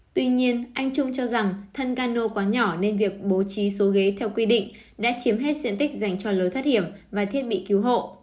tuy nhiên anh trung cho rằng thân cano quá nhỏ nên việc bố trí số ghế theo quy định đã chiếm hết diện tích dành cho lối thoát hiểm và thiết bị cứu hộ